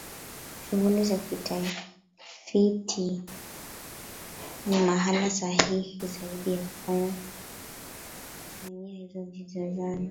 Shughuli za kitafiti ni mahala sahihi zaidi pa kufanyia ni jozani